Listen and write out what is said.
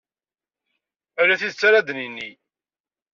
Ala tidet ara d-nini.